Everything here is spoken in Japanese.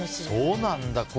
そうなんだ。